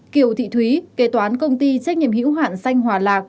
sáu kiều thị thúy kê toán công ty trách nhiệm hiểu hạn xanh hòa lạc